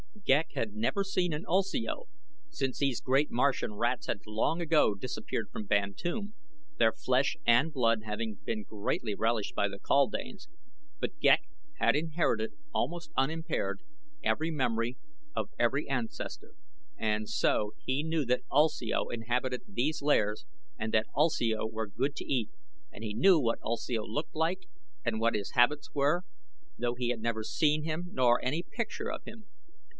Ghek had never seen an ulsio, since these great Martian rats had long ago disappeared from Bantoom, their flesh and blood having been greatly relished by the kaldanes; but Ghek had inherited, almost unimpaired, every memory of every ancestor, and so he knew that ulsio inhabited these lairs and that ulsio was good to eat, and he knew what ulsio looked like and what his habits were, though he had never seen him nor any picture of him.